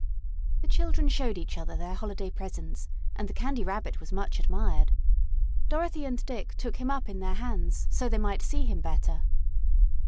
The children showed each other their holiday presents, and the Candy Rabbit was much admired. Dorothy and Dick took him up in their hands so they might see him better.